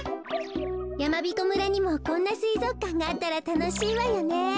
やまびこ村にもこんなすいぞくかんがあったらたのしいわよね。